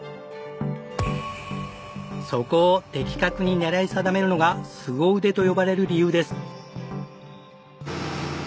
そこを的確に狙い定めるのが凄腕と呼ばれる理由です。